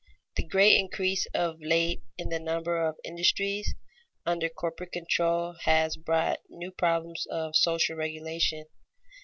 _The great increase of late in the number of industries under corporate control has brought new problems of social regulation.